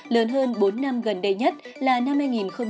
lớn hơn bốn năm gần đây nhất là năm hai nghìn một mươi bảy hai nghìn hai mươi